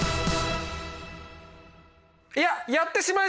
いややってしまいそう！